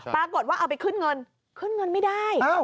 ปรากฏว่าเอาไปขึ้นเงินขึ้นเงินไม่ได้